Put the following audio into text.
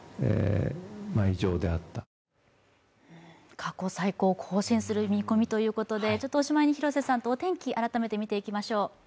過去最高を更新する見込みということでおしまいに広瀬さんとお天気、改めて見ていきましょう。